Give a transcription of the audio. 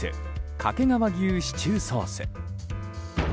掛川牛シチューソース。